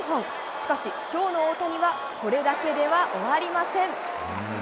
しかし、きょうの大谷はこれだけでは終わりません。